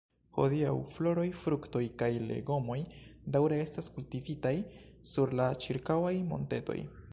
Hodiaŭ, floroj, fruktoj kaj legomoj daŭre estas kultivitaj sur la ĉirkaŭaj montetoj.